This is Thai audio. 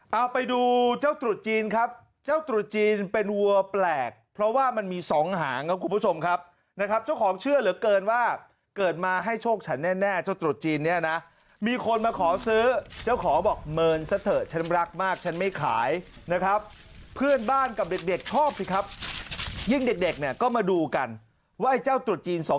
เอาไปดูเจ้าตรุษจีนครับเจ้าตรุษจีนเป็นวัวแปลกเพราะว่ามันมีสองหางครับคุณผู้ชมครับนะครับเจ้าของเชื่อเหลือเกินว่าเกิดมาให้โชคฉันแน่เจ้าตรุษจีนเนี่ยนะมีคนมาขอซื้อเจ้าของบอกเมินซะเถอะฉันรักมากฉันไม่ขายนะครับเพื่อนบ้านกับเด็กเด็กชอบสิครับยิ่งเด็กเด็กเนี่ยก็มาดูกันว่าไอ้เจ้าตรุษจีนสอง